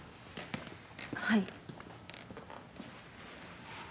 はい。